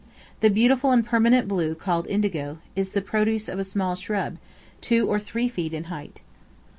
The beautiful and permanent blue called Indigo, is the produce of a small shrub, two or three feet in height.